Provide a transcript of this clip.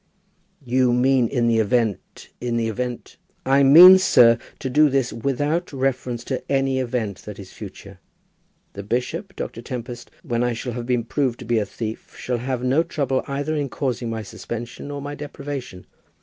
"You mean in the event in the event " "I mean, sir, to do this without reference to any event that is future. The bishop, Dr. Tempest, when I shall have been proved to be a thief, shall have no trouble either in causing my suspension or my deprivation.